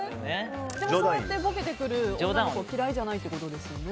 そうやってボケてくる、女の子嫌いじゃないってことですよね。